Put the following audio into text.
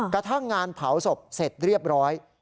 กระทั่งงานเผาศพเสร็จเรียบร้อย